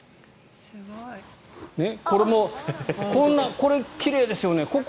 これも、こんな奇麗ですよね。